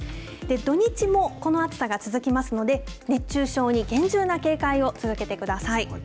土日もこの暑さが続きますので、熱中症に厳重な警戒を続けてください。